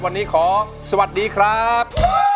วันนี้ขอสวัสดีครับ